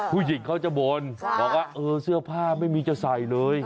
ผู้หญิงเขาจะบ่นบอกว่าเออเสื้อผ้าไม่มีจะใส่เลย